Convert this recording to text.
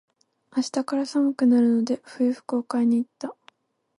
明日から寒くなるので、冬服を買いに行った。